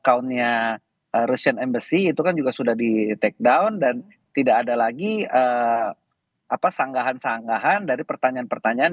countnya rusian embassy itu kan juga sudah di take down dan tidak ada lagi sanggahan sanggahan dari pertanyaan pertanyaan